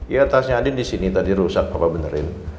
iya tasnya andin di sini tadi rusak papa benerin